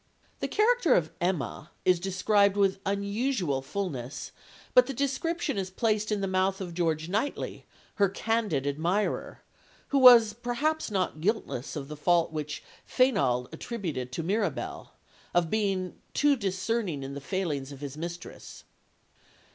The character of Emma is described with unusual fulness, but the description is placed in the mouth of George Knightley, her candid admirer, who was perhaps not guiltless of the fault which Fainall attributed to Mirabell, of being "too discerning in the failings of his mistress."